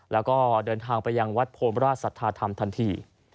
แล้วก็เดินทางไปยังวัดโพมราชสัทธาธรรมทันที